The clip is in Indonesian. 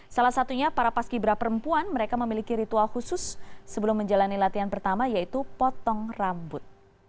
salah satunya para paski bera perempuan mereka memiliki ritual khusus sebelum menjalani latihan pertama yaitu potong rambut